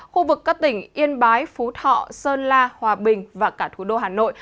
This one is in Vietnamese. khu vực các tỉnh yên bái phú thọ sơn la hòa bình và cả thủ đô hà nội